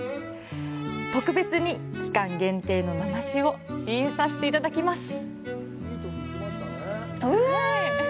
特別に期間限定の生酒を試飲させていただきます。